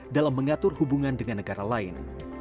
dalam mengatur hubungan dengan negara lain